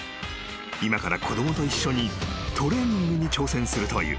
今から子供と一緒にトレーニングに挑戦するという］